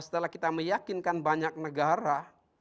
setelah kita meyakinkan banyak negara